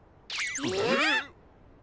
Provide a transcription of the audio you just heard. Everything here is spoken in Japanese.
えっ！？